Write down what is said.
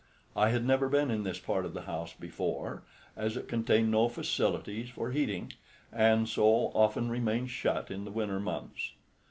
I had never been in this part of the house before, as it contained no facilities for heating, and so often remained shut in the winter months.